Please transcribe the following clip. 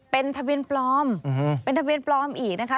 เป็นทะเบียนปลอมเป็นทะเบียนปลอมอีกนะคะ